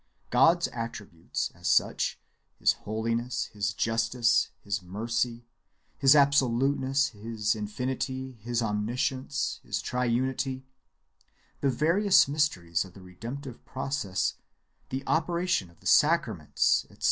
God's attributes as such, his holiness, his justice, his mercy, his absoluteness, his infinity, his omniscience, his tri‐unity, the various mysteries of the redemptive process, the operation of the sacraments, etc.